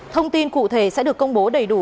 thông tin cụ thể sẽ được công bố đầy đủ